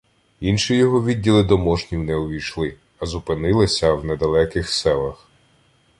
Інші його відділи до Мошнів не увійшли, а зупинилися в недалеких селах.